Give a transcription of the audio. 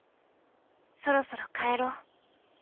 そろそろ帰ろう。